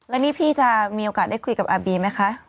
แล้วนี่พี่จะมีโอกาสได้คุยกับอาบีไหมคะ